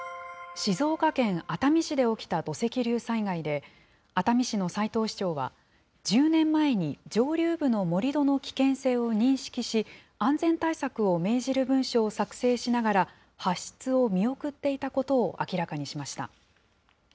静岡県熱海市で起きた土石流災害で、熱海市の斉藤市長は、１０年前の上流部の盛り土の危険性を認識し、安全対策を命じる文書を作成しながら、発出を見送っていたことを明らかにしました。